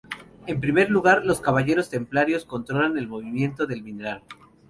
En primer lugar, Los Caballeros Templarios controlan el movimiento del mineral.